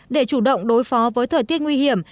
để chủ động đối phó với thời tiết nguy hiểm